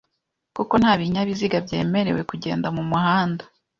kuko nta binyabiziga byemerewe kugenda mu muhanda